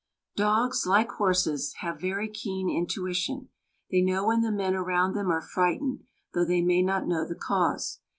Dogs, like horses, have very keen intuition. They know when the men around them are frightened, though they may not know the cause.